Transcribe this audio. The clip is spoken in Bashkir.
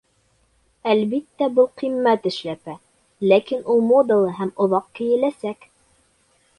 Әлбиттә, был ҡиммәт эшләпә, ләкин ул модалы һәм оҙаҡ кейеләсәк